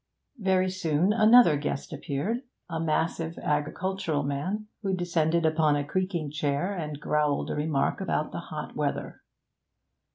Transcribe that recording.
Very soon another guest appeared, a massive agricultural man, who descended upon a creaking chair and growled a remark about the hot weather.